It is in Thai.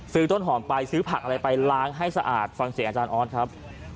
ต้นหอมไปซื้อผักอะไรไปล้างให้สะอาดฟังเสียงอาจารย์ออสครับ